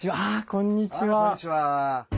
こんにちは。